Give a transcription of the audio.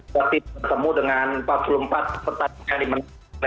kali bertemu dengan empat puluh empat pertandingan di mana